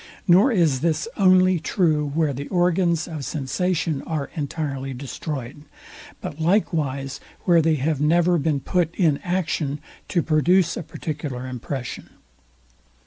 Nor is this only true, where the organs of sensation are entirely destroyed, but likewise where they have never been put in action to produce a particular impression.